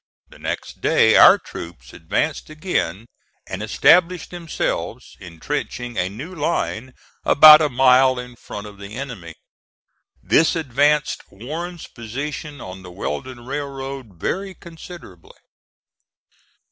The next day our troops advanced again and established themselves, intrenching a new line about a mile in front of the enemy. This advanced Warren's position on the Weldon Railroad very considerably.